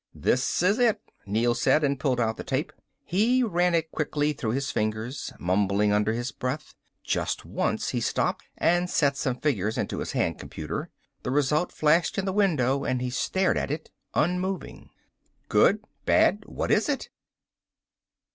"This is it," Neel said, and pulled out the tape. He ran it quickly through his fingers, mumbling under his breath. Just once he stopped and set some figures into his hand computer. The result flashed in the window and he stared at it, unmoving. "Good? Bad? What is it?"